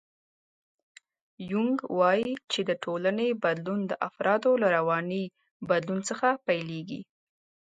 یونګ وایي چې د ټولنې بدلون د افرادو له رواني بدلون څخه پیل کېږي.